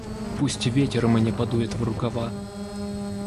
Пусть ветер мне подует в рукава.